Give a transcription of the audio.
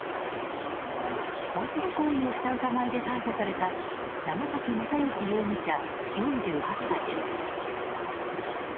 わいせつ行為をした疑いで逮捕された山崎正義容疑者、４８歳です。